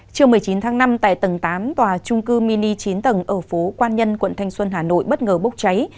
trưa một mươi chín tháng năm tại tầng tám tòa trung cư mini chín tầng ở phố quan nhân quận thanh xuân hà nội bất ngờ bốc cháy